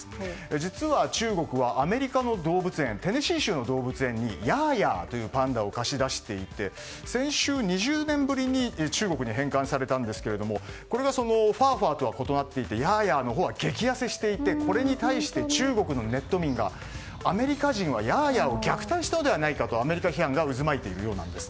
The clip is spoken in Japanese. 実は中国はアメリカ・テネシー州の動物園にヤーヤーというパンダを貸し出していて先週２０年ぶりに中国に返還されたんですけどファーファーとは異なっていてヤーヤーのほうは激痩せしていてこれに対して中国のネット民がアメリカ人はヤーヤーを虐待したのではないかとアメリカ批判が渦巻いているようなんです。